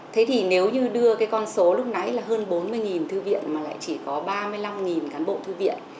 thế thì nếu như đưa cái con số lúc nãy là hơn bốn mươi thư viện mà lại chỉ có ba mươi năm cán bộ thư viện